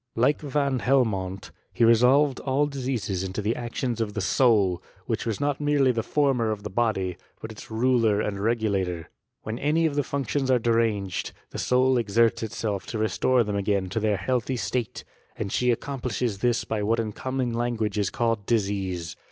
Like Vaa Helmont, he resolved all diseases into the actions (rf the «ou/, which was not merely the former of the body, but its ruler and regulator. When any of the fuDo lions are deranged, the soul exerU itself to restore them again to their healthy state; and she accom plishes this by what in common langui^e is called disease.